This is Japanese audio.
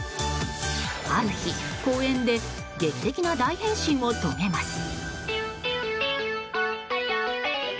ある日、公園で劇的な大変身を遂げます。